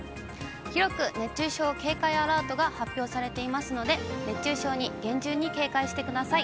広く熱中症警戒アラートが発表されていますので、熱中症に厳重に警戒してください。